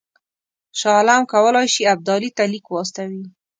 شاه عالم کولای شي ابدالي ته لیک واستوي.